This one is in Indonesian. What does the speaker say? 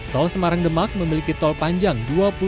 tol semarang demak memiliki tol panjang